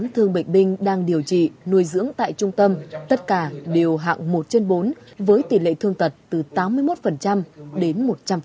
thương bệnh binh đang điều trị nuôi dưỡng tại trung tâm tất cả đều hạng một trên bốn với tỷ lệ thương tật từ tám mươi một đến một trăm linh